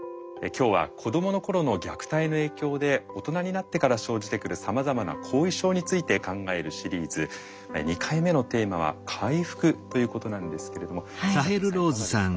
今日は子どもの頃の虐待の影響で大人になってから生じてくるさまざまな後遺症について考えるシリーズ２回目のテーマは回復ということなんですけれどもサヘルさんいかがですか？